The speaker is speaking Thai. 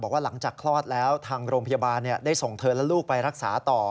บอกว่าหลังจากคลอดแล้วทางโรงพยาบาลได้ส่งเธอและลูกไปรักษาต่อ